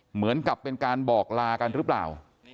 เหมือนกับเป็นการบอกลากันหรือเปล่า